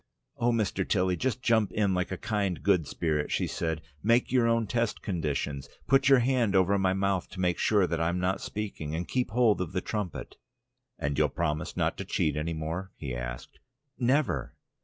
"Oh, Mr. Tilly! Just jump in like a kind good spirit," she said. "Make your own test conditions. "Put your hand over my mouth to make sure that I'm not speaking, and keep hold of the trumpet." "And you'll promise not to cheat any more?" he asked. "Never!"